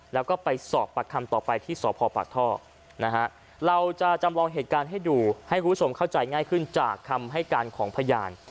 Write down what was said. แล้วก็ไปสอบปากคำต่อไปที่สพปากท่อนะฮะเราจะจำลองเหตุการณ์ให้ดูให้คุณผู้ชมเข้าใจง่ายขึ้นจากคำให้การของพยาน